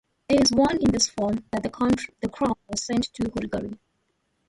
It was in this form that the crown was sent to Hungary.